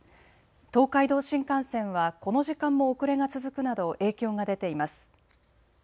東海道新幹線はこの時間も遅れが続くなど、影響が出ています。